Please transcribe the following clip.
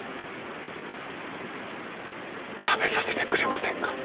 食べさせてくれませんか？